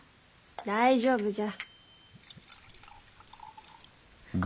大丈夫じゃ。